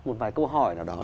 một vài câu hỏi nào đó